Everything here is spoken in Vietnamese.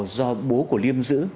do bố của liêm giữ